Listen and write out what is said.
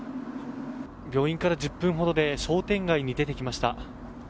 病院から１０分ほどで商店街に出てきました。